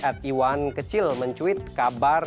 ad iwan kecil mencuit kabar